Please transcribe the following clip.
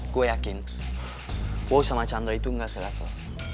gue yakin boy sama chandra itu gak se level